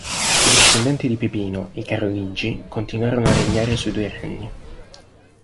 I discendenti di Pipino, i Carolingi, continuarono a regnare sui due regni.